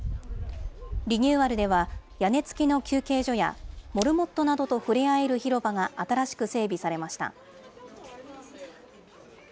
リニューアルでは、屋根付きの休憩所や、モルモットなどと触れ合える広場が新しく整備されました。